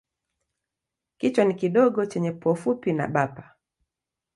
Kichwa ni kidogo chenye pua fupi na bapa.